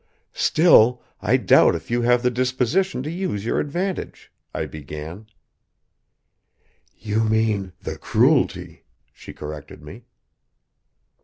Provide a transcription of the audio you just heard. "Still, I doubt if you have the disposition to use your advantage," I began. "You mean, the cruelty," she corrected me.